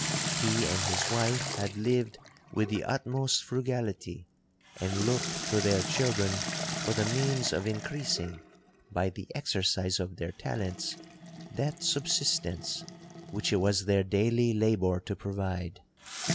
He and his wife had lived with the utmost frugality, and looked to their children for the means of increasing, by the exercise of their talents, that subsistence which it was their daily labour to provide.